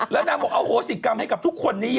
แล้วนางบอกอโหสิกรรมให้กับทุกคนนี้เยอะ